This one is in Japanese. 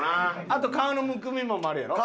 あと顔のむくみもマルやろ？